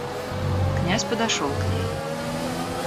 Князь подошёл к ней.